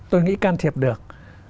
tôi nghĩ can thiệp được